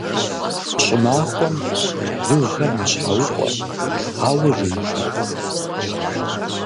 ЩӀымахуэм жыгхэр «мэщхьэукъуэ», ауэ жеипэркъым.